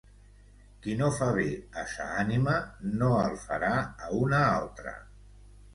Qui no fa bé a sa ànima, no el farà a una altra.